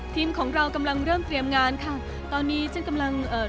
ทีมของเรากำลังเริ่มเตรียมงานค่ะตอนนี้ฉันกำลังเอ่อ